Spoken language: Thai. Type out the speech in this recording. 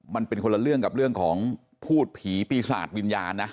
มันเป็นคนละเรื่องกับเรื่องของพูดผีปีศาจวิญญาณนะ